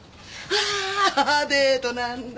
あーデートなんだ。